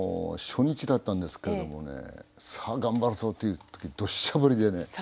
初日だったんですけれどもね「さあ頑張るぞ」っていう時にどしゃ降りでね。